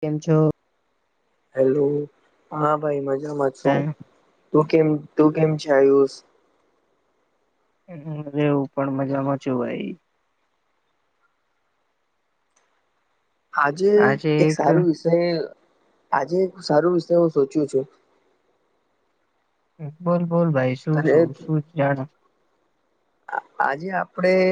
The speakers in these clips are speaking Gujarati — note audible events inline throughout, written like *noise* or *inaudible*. કેમ છો. હેલો હા ભાઈ મજામાં છો હા તું કેમ તું કેમ છે આયુસ? હમ રેવું પણ મજામાં છું ભાઈ. આજે એક સારું વિષય આજે એક સારું વિષય હું સોચ્યો છું. બોલ બોલ ભાઈ શું અને શું શું જાણો આજે આપણેે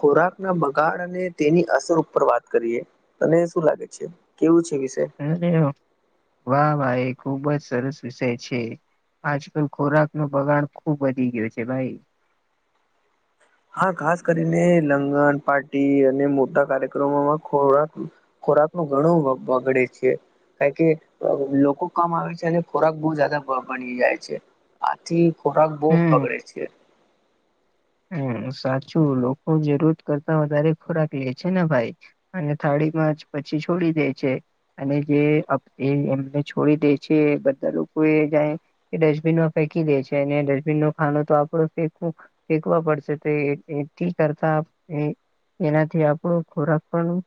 ખોરાકના બગાડ અને તેની અસર ઉપર વાત કરીએ. તને શું લાગે છે કેવું છે વિષય? અ વાહ વાાઈ ખુબ જ સરસ વિષય છે. આજકાલ ખોરાક નો બગાડ ખુબ વધી ગયો છે ભાઈ. હા ખાસ કરીને લંગન, પાર્ટી અને મોટા કાર્યક્રમોમાં ખોરાક ખોરાક નું ઘણું બગડે છે. ક કે લોકો કમ આવે છે અને ખોરાક બહુ જાદા બની જાય છે. આથી ખોરાક બહુ હમ બગડે છે. હ સાચું લોકો જરૂરત કરતા વધારે ખોરાક લે છે ને ભાઈ અને થાળીમાં જ પછી છોડી દે છે. અને જે એ એમને છોડી દે છે બધા લોકો એ જ એ ડસ્ટબિનમાં ફેંકી દે છે અને ડસ્ટબિન ન ખાનું તો આપડે ફેકવું ફેંકવા પડશે એથી કરતા એ એનાથી આપણો ખોરાક પણ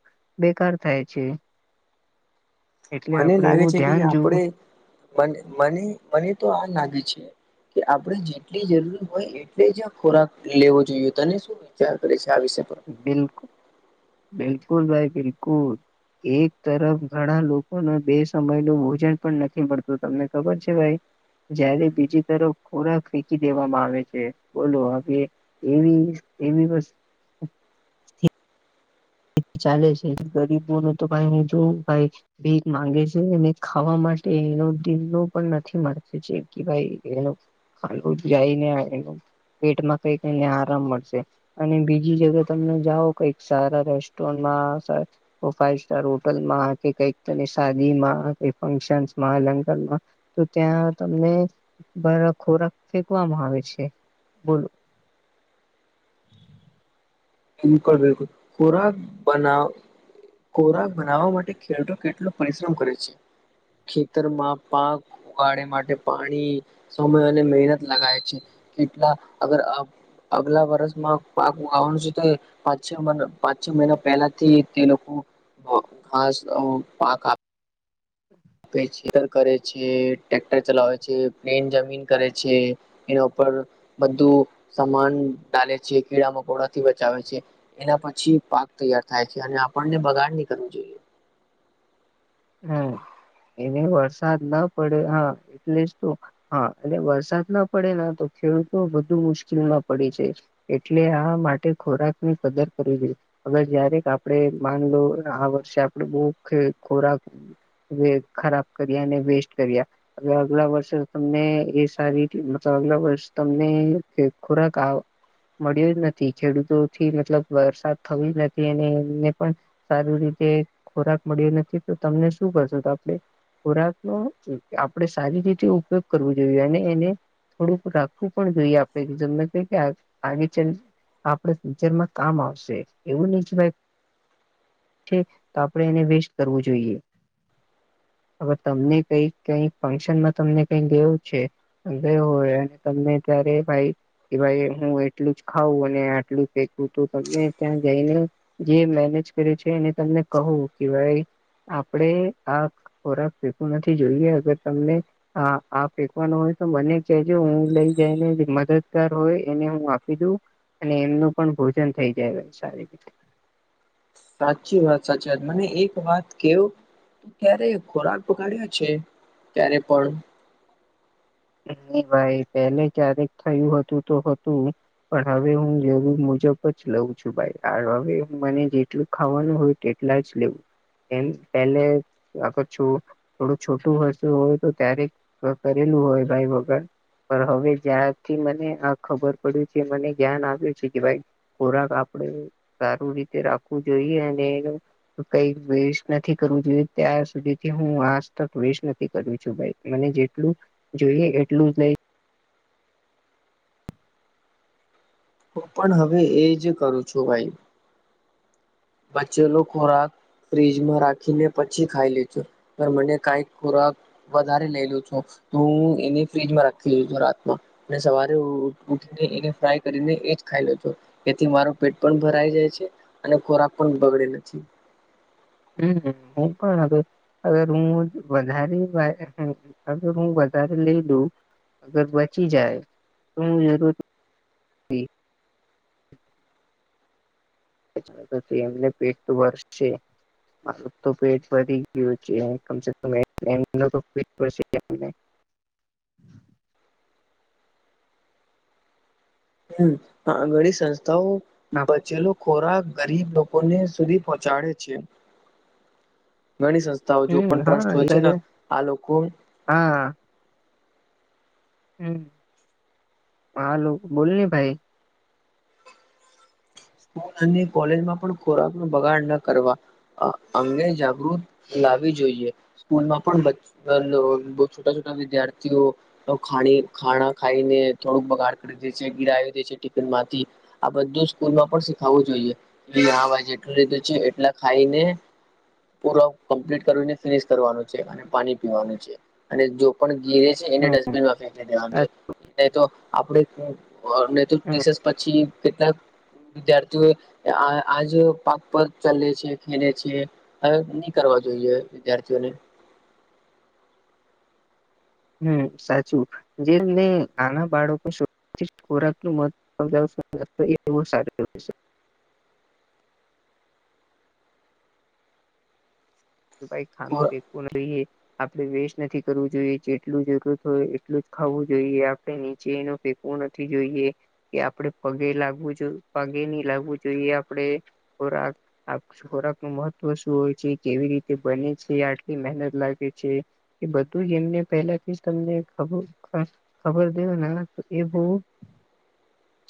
બેકાર થાય છે. *inaudible* એટલે મને આપડે લાગે એવું છે કે ધ્યાન જોવું આપણે મને મને તો આ લાગી છે. કે આપડે જેટલી જરૂર હોય એટલે જ ખોરાક લેવો જોઈએ તને શું વિચાર કરે છે આ વિષય પર? બિલકુલ બિલકુલ ભાઈ બિલકુલ. એક તરફ ઘણા લોકોને બે સમય નું ભોજન પણ નથી મળતું તમને ખબર છે ભાઈ? જયારે બીજી તરફ ખોરાક ફેંકી દેવામાં આવે છે બોલો હવે એવી એવી *unintelligible* ચાલે છે ગરીબોને તો કઈ જોવું કાઈ ભીખ માંગે છે અને ખાવા માટે એનો દીલો પણ નથી મળતો જેમ કે ભાઈ એનો હાલું જઈ ને આલ *unintelligible* પેટમાં કઈકને આરામ મળશે અને બીજી જગ્યા તમને જાઓ કઈક સારા સ્ટોમાં- ફાઈવ સ્ટાર હોટલમાં કે કઈકને શાદી માં ફક્શનમાં લંગનમાં તો ત્યાં તમને બંધો ખોરાક ફેંકવામાં આવે છે. બોલો બિલકુલ બિલકુલ ખોરાક બનાવી ખોરાક બનાવવા માટે ખેડૂતો કેટલો પરિશ્રમ કરે છે. ખેતરમાં પાક ઉગાડે માટે પાણી સમય અને મહેનત લાગે છે. કેટલાંક અગર અગલા વર્ષમાં પાક વાવાનું છે. પાંચ છ મહિના પાંચ છ મહિના પહેલાથી તે લોકો ખાસ *unintelligible* ર કરે છે. ટ્રેક્ટર ચલાવે છે. પ્લેન જમીન કરે છે. એના ઉપર બધું સમાન ડાલે છે. કીડા મકોડા થી બચાવે છે. એના પછી પાક તૈયાર થાય છે. અને આપણને બગાડ ની કરવું જોઈએ. હમ એને વરસાદ ના પડે હા એટલે જ તો હા એટલે વરસાદ ના પડે તો ખેડૂતો વધુ મુશ્કેલમાં પડે છે. એટલે આ માટે ખોરાક ની કદર કરવી જોઇએ. હવે જયારે આપણે માન લો આ વર્ષે આપડે બહુ ખોરાક ખરાબ કર્યા અને વેસ્ટ કર્યા. હવે આગલા વર્ષે તમને એ સારી મતલબ આગલા વર્ષ તમને ખોરાક મળ્યો જ નથી ખેડૂતોથી મતલબ વરસાદ થયો જ નથી અને એમને પણ સારી રીતે ખોરાક મળ્યો નથી તો તમને શું કરશું તો આપણે ખોરાકનો આપણેે સારી રીતે ઉપયોગ કરવો જોઈએ અને એને થોડુંક રાખવું પણ જોઈએ આપણે મેં કે આગે ચલે આપડે ફ્યૂચરમાં કામ આવશે એવું નહીં ભાઈ છે. તો આપણે એને વેસ્ટ કરવું જોઈએ. હવે તમને કઈક કઈક ફંક્શનમાં તમને કઈ દેવું છે. હવે હોય અને તમે ત્યારે ભાઈ કે ભાઈ હું એટલું જ ખાવઉં અને આટલું જ ફેકું તો તમને ત્યાં જઈને જે મેનેજ કરે છે. એને તમને કહું કે ભાઈ આપણે આ ખોરાક ફેકવું નથી જોઈએ અગર તમને હા આ ફેંકવાનો હોય તો બને કહેજો હું લઈ જઈને જે મદદગાર હોય એને હું આપી દઉં. અને એમનું પણ ભોજન થઈ જાય સારી રીતે. સાચી વાત સાચી વાત મને એક વાત કેવો તો ક્યારે ખોરાક બગાડ્યો છે. ત્યારે પણ? ભાઈ પેલે ક્યારેક થયું હતું તો હતું. પણ હવે હું જો મુજબ જ લઉં છું. ભાઈ હવે હું મને જેટલું ખાવાનું હોય તેટલું જ લેવું એમ પહેલેથી આગળ છું. થોડું છોટું હશે હોય તો ત્યારેક કરેલું હોય ભાઈ વગર પણ હવે જ્યાંથી મને આ ખબર પડી છે. મને ધ્યાન આવ્યું છે કે ભાઈ ખોરાક આપડે સારું રીતે રાખવું જોઈએ અને કઈ વેસ્ટ નથી કરવું જોઈએ ત્યાં સુધી થી હું આજતક વેસ્ટ નથી કરું છું ભાઈ મને જેટલું જોઈએ એટલું જ લઈ. હું પણ હવે એજ કરું છું ભાઈ. બચ્ચેલો ખોરાક ફ્રીજમાં રાખીને પછી ખાઈ લીધો મને કાઈક ખોરાક વધારે લઈ છું. તો હું એને ફ્રીજમાં રાખી લઉ છું રાતમાં. મે સવારે ઉઠીને એને ફ્રાય કરીને એજ ખાઈલવ છુ. એથી મારું પેટ પણ ભરાઈ જાય છે. અને ખોરાક પણ બગડતો નથી. હમ હું પણ અગર હું વધારે હું વધારે લઈ લઉં અગર બચી જાય તો હું જરૂર થી એમને પેટ વરસશે. મારુ તો પેટ પર છે કમસે ક પ હમ ઘળ સંસ્થાઓ બચેલો ખોરાક ગરીબ લોકો ને સુધી પહોંચાડે છે ઘણી સં હમ પણ ટ્રસ્ટ હા હોય છે ને અરે આ લોકો હા. હમ હાલો બોલ ને ભાઈ. પોતાની કોલેજમાં પણ ખોરાક નુ બગાડ ન કરવા. અ અમને જાગૃત લાવવી જોઈએ. સ્કૂલમાં પણ બ છોટા છોટા વિદ્યાર્થીઓ. તો ખાણી ખાણા ખાઈને થોડુંક બગાડ કરી દે છે ગિરાવી દે છે ટિફિન માંથી. આ બધું સ્કૂલમાં પણ શીખાવવું જોઈએ હ જેટલું લીધું છે એટલા ખાઈને. પૂરા કમ્પ્લીટ કરીને ફિનિશ કરવાનું છે અને પાણી પીવાનું છે અને જો પણ ગિરેજ. એને હમ ડસ્ટબિનમા ફેંકી દેવાનું છે ન‌ઇ તો આપણે ન‌ઇ તો હમ રિસેસ. પછી કેટલાક. વિદ્યાર્થીઓ આ આજ પાક પગ ચલે છે ખેલે છે. હવે નહી કરવા જોઈએ વિદ્યાર્થીઓને. હમ સાચું જેમને નાના બાળકો. ખોરાક નું મહ્ત્વ સમજાવ એ સારું છે. ભાઈ ખાનો ફેંકવું ન જોઈએ. આપડે વેસ્ટ નથી કરવું જોઈએ જેટલું જરૂરત હોય એટલું જ ખાવું જોઈએ આપડે નીચે નુ. વું નથી જોઈએ કે આપડે પગે લાગવું જોઈએ પગે નહી લાગવું જોઈએ આપડે. ખોરાક આ ખોરાક નું મહત્વ શું હોય છે કેવી રીતે. બને છે આટલી મહેનત લાગે છે. એ બધું જ એમને પહેલાથી તમને ખબર. ખબર દેવ તો એ બહુ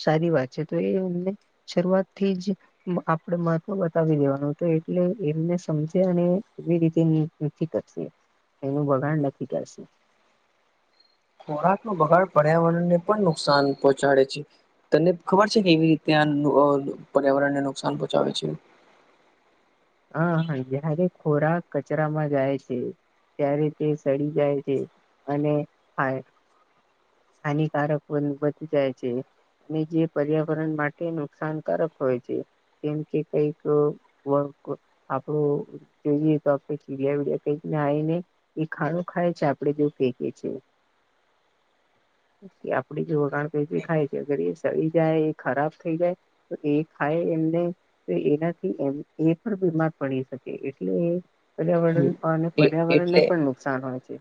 સારી વાત છે તો એ અમને. શરૂઆત થી જ. આપડે મહત્વ બતાવી દેવાનું તે એટલે એમને સમજે અને. કેવી રીતે નથી કરશે એનું વગાણ નકી કરશે. ખોરાક નો બગાડ પર્યાવરણ ને પણ નુકસાન પહોંચાડે છે. તને ખબર છે કેવી રીતે આ પર્યાવરણ ને નુકસાન પહોંચાવે છે. હા હા જયારેારે ખોરાક કચરામાં જાય છે. ત્યારે તે સડી જાય છે અને હાય. હાનિકારક પણન બતી જાય છે. અને જે પર્યાવરણ માટે નુકસાનકારક હોય છે. જેમ કે કઈક. આપડું જોઈએ તો આપણે ચીડિયા વિડિયા કઈક નાય ને. એ ખાણું ખાય છે આપણેે જે ફેંકીએ છે. *inaudible* *unintelligible* કે આપડી જે વગાણ પે ખાય છે અગર એ સળી જાય એ ખરાબ થઈ જાય. તો એ ખાય એમને તો એનાથી એમ એ. બીમાર પડી શકે એટલે એ પર્યાવરણ અને છે પર્યાવરણ એટલે ને પણ નુકસાન હોય છે.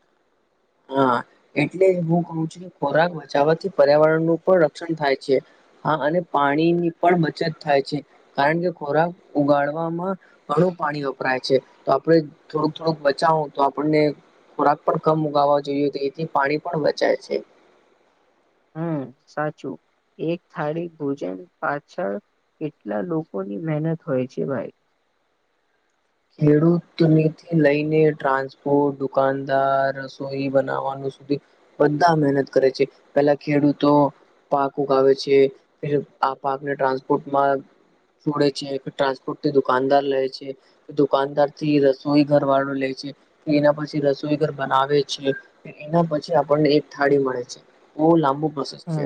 હા એટલે હું કહું છું ખોરાક બચાવવાથી પર્યાવરણનું પણ રક્ષણ થાય છે. હા અને પાણીની પણ બચત થાય છે કારણ કે ખોરાક ઉગાડવામાં. ઘણું પાણી વપરાય છે તો આપણે થોડુંક થોડુંક બચાવું તો આપણને ખોરાક પણ કમ. ઉગાવા જોઈએ તો એથી પાણી પણ બચાય છે. હમ સાચું. એક થાળી ભોજન પાછળ કેટલા લોકોની મહેનત હોય છે ભાઈ. ખેડૂત થી લઈને ટ્રાન્સપોર્ટ દુકાનદાર રસોઈ બનાવાનું સુધી. બધા મહેનત કરે છે પેલા ખેડૂતો. પાક ઉગાવે છે પેલું આ પાકને ટ્રાન્સપોર્ટમાં છોડે છે, ટ્રાન્સપોર્ટ થી દુકાનદાર રહે છે, દુકાનદાર થી રસોઈ ઘર વાળો લે છે, કે એના પછી રસોઈ ઘર બનાવે છે. એના પછી આપણને એક થાળી મળે છે બહુ લાંબુ પ્રોસેસ છે.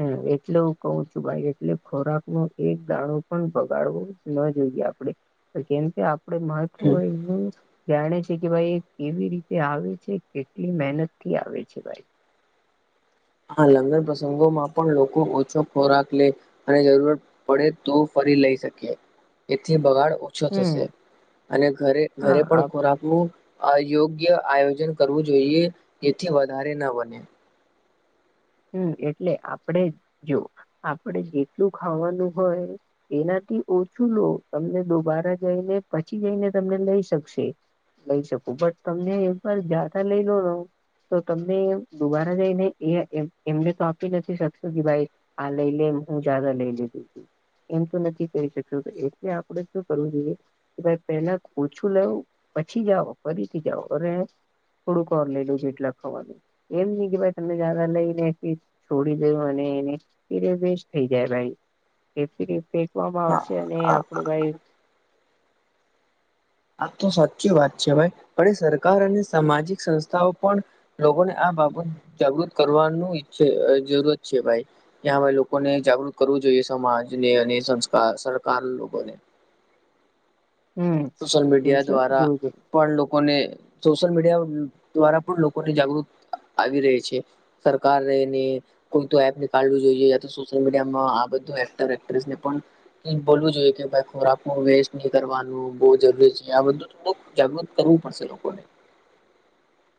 હ એટલે હું કઉ છું ભાઈ એટલે ખોરાક નો એક દાડો પણ બગાડવો ન જોઈએ આપણે. તો કેમ કે આપડે માથુ હોય નુ જાણે છે કે ભાઈ એ કેવી રીતે આવે છે કેટલી મહેનતથી આવે છે, ભાઈ હા, લગન પ્રસંગો માં પણ લોકો ઓછો ખોરાક લે અને જરૂરત પડે તો ફરી લઈ શકીએ, એથી બગાડ છ થશે હમ અને ઘરે ઘરે હા પણ ખોરાક અયોગ્ય આયોજન કરવું જોઈએ જેથી વધારે ન બને. હમ્મ એટલે આપડે જો આપણે જેટલું ખાવાનું હોય એનાથી ઓછું લો તમને દોબારા જઈને પછી જઈને તમને લઈ શકશે. લઈ શકું બટ તમને એક વાર જ્યાતા લઈ લો તો તમને દુબારા જઈ, ને એ એમ એમને તો આપી નથી શકતો કે ભાઈ આ લઈ લે હું જાદા લઈ લીધું છું. એમ તો નથી કરી શકતો એટલે આપણેે શું કરવું જોઈએ. કે ભાઈ પહેલા ઓછું લવ પછી જાઓ ફરીથી જાઓ અને થોડુંક લેલું જે એટલા ખવાનું એમ નય કે ભાઈ તમને જાદા લઈને છોડી, દેવાની એની ફરે વેસ્ટ થઈ જાય ભાઈ કે ફેંકવામાં હા આવશે અને આપડું ભાઈ આ તો સાચી વાત છે, ભાઈ પણ સરકાર અને સામાજિક સંસ્થાઓ પણ લોકોને આ બાબત જાગૃત કરવાનું ઈ્છ જરૂરત છે ભાઈ ત્યાં ભાઈ લોકોને જાગૃત કરવું જોઈએ, સમાજને અને સંસ્કાર સરકાર લોકોને હમ સોશલ મીડિયા દ્વારા. જોજ પણ લોકોને સોશિયલ મીડિયા દ્વારા પણ લોકોને જાગૃત આવી રહી છે. સરકાર રેની કોઈ તો એપ નીળવું જોઈએ, યા તો સોશિયલ મીડિયામાં આ બધું એક્ટર્ટ્રેસને પણ બોલવું જોઈએ કે ભાઈ ખોરાકું વેસ્ટ નહી કરવાનુ બહ જરૂરી છે, આ બધું થોડુંક જાગૃત કરવું પડશે લોકોને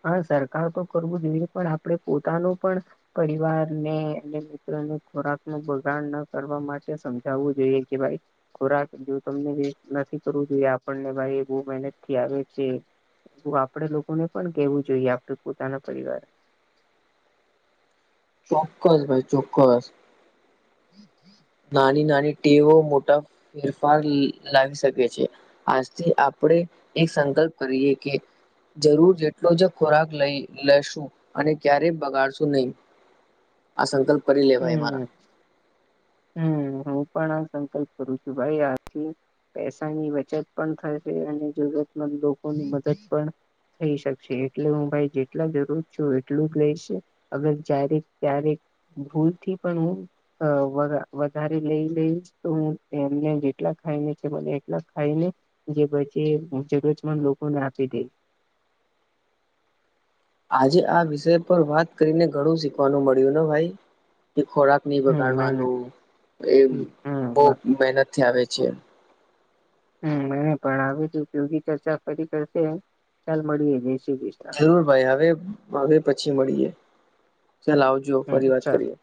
હા, સરકાર તો કરવું જોઈએ, પણ આપણેે પોતાનું પણ પરિવારને અને મિત્રોને ખોરાક ન બગાડ ન કરવા માટે સમજાવવું જોઈએ, કે ભાઈ ખોરાક જો તમને વ નથી કરવું જોઈએ આપણને ભાઈ બવ મહેનત થી આવે છે. એવું આપડે લોકોને પણ કેવું જોઈએ, આપડ પોતાના પરિવારે ચોક્કસ ભાઈ ચોક્કસ *inaudible* નાની નાની ટેવ મોટા ફેરફાર લાવી શકે છે. આજથી આપણે એક સંકલ્પ કરીએ કે જરૂર જેટલો જ ખોરાક લઈ લેસું અને ક્યારેય બગાડશું નહી *inaudible* આ સંકલ્પ પર હમ્મ હમ્મ હું પણ આ સંકલ્પ કરું છું ભાઈ આથી પૈસાની બચત પણ થશે, અને જરૂરતમંદ લોકોની મદદ પણ થઈ શકશે એટલે હું ભાઈ જેટલા જરૂર છું, એટલું જ લઈશે અગર જ્યારે ત્યારેક ભૂલથી પણ હુ અ વધારે લઈ લઈશ તો હું એમને જેટલા ખાઈને મને એટલા ખાઈને જે પછી હું જગત પણ લોકોને આપી દેશ આજે આ વિષય પર વાત કરીને ઘણું શીખવાનું મળ્યું ને ભાઈ એ ખોરાક ની હમ મને વગાડવાનું એ હમ બહ હમ મહેનતથી આવે છે. હમ્મ પણ આવે યોગી ચર્ચા ફરી કરશે ચાલ મળીએ જય શ્રી કૃષ્ણ. જરૂર ભાઈ હવે હવે પછી મળીએ ચાલ આવજો હમ ફરી વાત ચાલ કરીએ